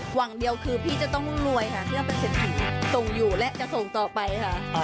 หวังเดียวคือพี่จะต้องรวยค่ะเพื่อเป็นเศรษฐีส่งอยู่และจะส่งต่อไปค่ะ